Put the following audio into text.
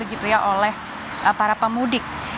begitu ya oleh para pemudik